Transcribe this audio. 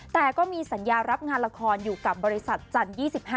แต่ก็มีสัญญารับงานละครอยู่กับบริษัทจันทร์๒๕